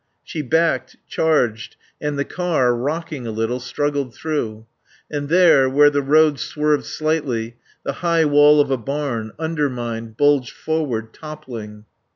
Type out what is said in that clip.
She backed, charged, and the car, rocking a little, struggled through. And there, where the road swerved slightly, the high wall of a barn, undermined, bulged forward, toppling.